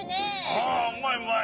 ああうまいうまい。